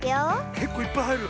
けっこういっぱいはいる。